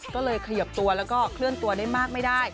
ก็เลยเขยิบตัวแล้วก็เคลื่อนตัวได้มากไม่ได้